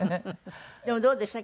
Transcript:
でもどうでした？